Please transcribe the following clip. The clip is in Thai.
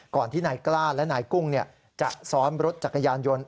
ที่นายกล้าและนายกุ้งจะซ้อนรถจักรยานยนต์